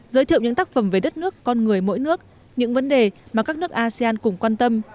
giới thiệu những tác phẩm về đất nước con người mỗi nước những vấn đề mà các nước asean cùng quan tâm